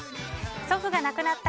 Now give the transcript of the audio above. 祖父が亡くなった